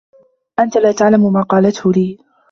أنت لا تعلم ما قله لي.